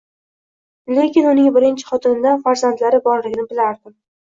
Lekin uning birinchi xotinidan farzandlari borligini bilardim